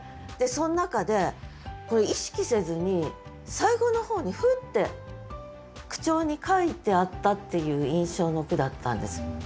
その中でこれ意識せずに最後の方にフッて句帳に書いてあったっていう印象の句だったんです。